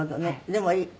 でもいい。